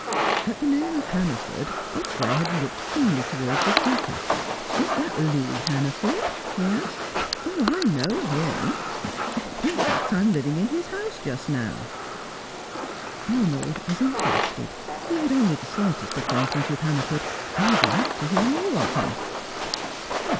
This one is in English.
At the name of Hannaford, Otway had looked keenly towards the speaker. "Is that Lee Hannaford?" he asked. "Oh, I know him. In fact, I'm living in his house just now." Arnold was interested. He had only the slightest acquaintance with Hannaford, and would like to hear more of him.